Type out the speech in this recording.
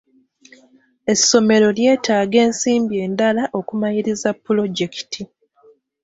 Essomero lyetaaga ensimbi endala okumaliriza pulojekiti.